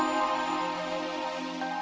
aku terlalu berharga